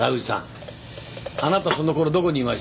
あなたそのころどこにいました？